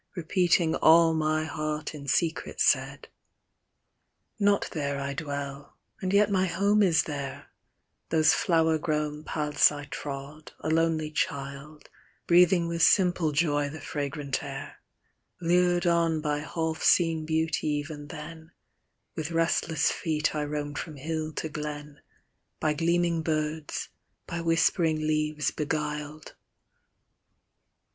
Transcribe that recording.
Repeating all my heart in secret said. Not there I dwell, and yet my home is there ; Those flower grown paths I trod, a lonely child, Breathing with simple joy the fragrant air : Lured on by half seen beauty even then, With restless feet I roamed from hill to glen, By gleaming birds, by whispering leaves beguiled.